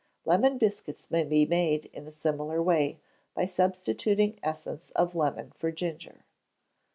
Lemon biscuits may be made in a similar way, by substituting essence of lemon for ginger.